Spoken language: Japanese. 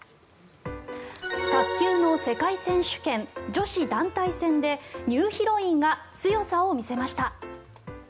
卓球の世界選手権女子団体戦でニューヒロインが強さを見せました。